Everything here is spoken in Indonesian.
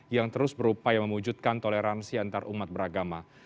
yang terus berupaya memujudkan toleransi antarumat beragama